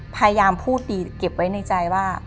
พยายามพูดดีเก็บไว้ในใจว่า